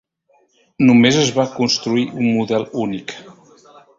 Només es va construir un model únic.